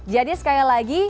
jadi sekali lagi